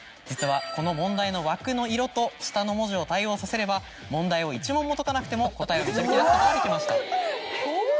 実はこの問題の枠の色と下の文字を対応させれば問題を１問も解かなくても答えを導き出すことができました。